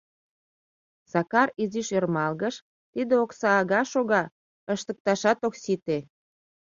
Сакар изиш ӧрмалгыш, тиде окса ага-шога ыштыкташат ок сите.